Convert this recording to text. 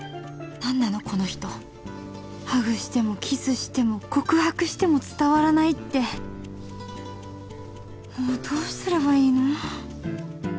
何なのこの人ハグしてもキスしても告白しても伝わらないってもうどうすればいいの？